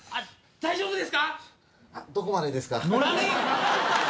大丈夫です。